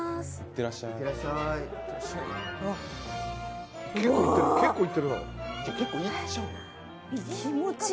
いってらっしゃい。